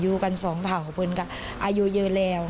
อยู่กันสองเผ่าเวินค่ะอายุเยอะแล้ว